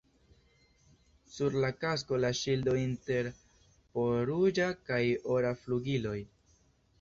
Sur la kasko la ŝildo inter po ruĝa kaj ora flugiloj.